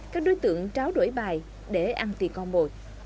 các đối tượng tráo đổi bài để ăn tiền con mồi